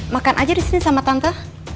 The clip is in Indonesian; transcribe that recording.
makan aja disini sama tante